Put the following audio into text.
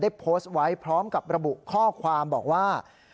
โพสต์ไว้พร้อมกับระบุข้อความบอกว่า